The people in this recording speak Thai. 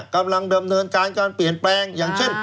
กำลังเริ่มเวลาการเปลี่ยนแปลงอย่างเช่น